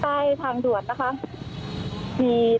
เพราะตอนนี้ก็ไม่มีเวลาให้เข้าไปที่นี่